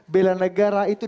bela negara itu